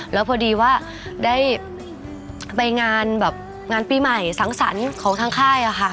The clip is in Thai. แล้วพอดีว่าได้ไปงานปีใหม่สังสรรค์ของทางค่าย